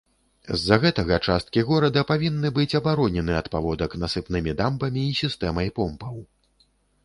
З-за гэтага часткі горада павінны быць абаронены ад паводак насыпнымі дамбамі і сістэмай помпаў.